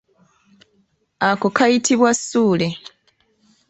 Ako kayitibwa ssule.